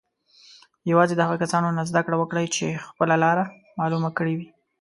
یوازې د هغو کسانو نه زده کړه وکړئ چې خپله لاره معلومه کړې وي.